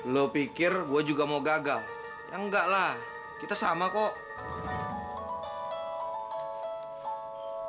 lo pikir gue juga mau gagal ya enggak lah kita sama kok